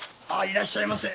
いらっしゃいませ。